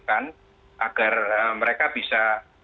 agar mereka bisa